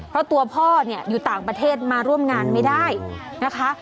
เพราะตัวพ่อเนี่ยอยู่ต่างประเทศมาร่วมงานไม่ได้นะคะ